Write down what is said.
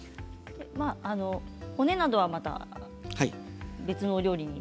骨などはまた別のお料理に？